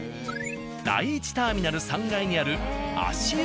第１ターミナル３階にある足湯カフェ。